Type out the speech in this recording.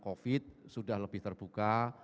covid sudah lebih terbuka